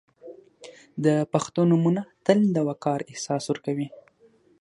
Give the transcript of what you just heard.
• د پښتو نومونه تل د وقار احساس ورکوي.